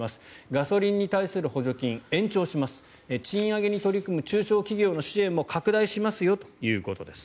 ガソリンに対する補助金延長します賃上げに取り組む中小企業の支援も拡大しますよということです。